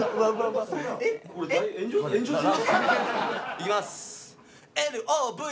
いきます。